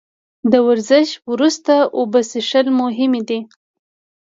د ورزش وروسته اوبه څښل مهم دي